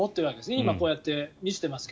今、こうやって見せていますが。